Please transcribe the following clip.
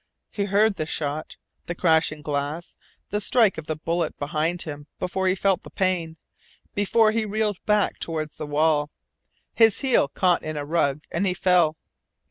He heard the shot, the crashing glass, the strike of the bullet behind him before he felt the pain before he reeled back toward the wall. His heel caught in a rug and he fell.